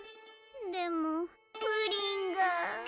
でもプリンが。